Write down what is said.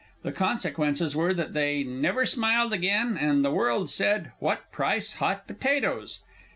The consequences were that they never smiled again, and the world said, 'What price hot potatoes?'"